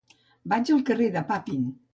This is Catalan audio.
Vaig al carrer de Papin.